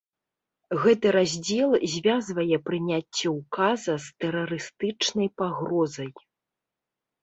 Гэты раздзел звязвае прыняцце ўказа з тэрарыстычнай пагрозай.